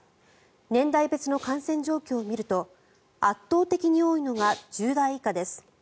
年代別の感染状況を見ると圧倒的に多いのが１０代以下です。